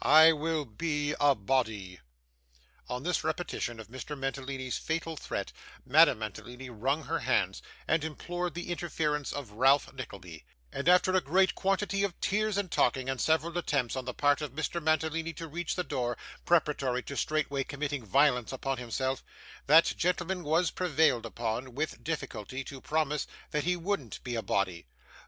I will be a body.' On this repetition of Mr. Mantalini's fatal threat, Madame Mantalini wrung her hands, and implored the interference of Ralph Nickleby; and after a great quantity of tears and talking, and several attempts on the part of Mr. Mantalini to reach the door, preparatory to straightway committing violence upon himself, that gentleman was prevailed upon, with difficulty, to promise that he wouldn't be a body.